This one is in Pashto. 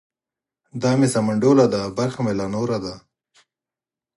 دا مې سمنډوله ده برخه مې لا نوره ده.